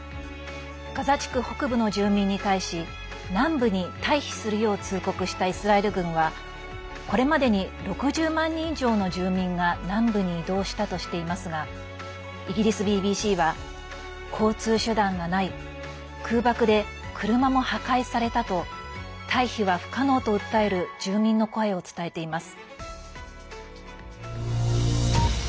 ガザ地区北部の住民に対し南部に退避するよう通告したイスラエル軍はこれまでに６０万人以上の住民が南部に移動したとしていますがイギリスＢＢＣは交通手段がない空爆で車も破壊されたと退避は不可能と訴える住民の声を伝えています。